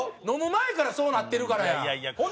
飲む前からそうなってるからや。